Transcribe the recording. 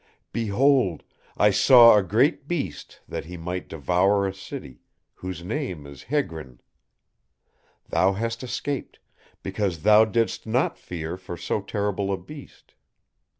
"_Behold, I saw a great Beast that he might devour a city whose name is Hegrin. Thou hast escaped because thou didst not fear for so terrible a Beast.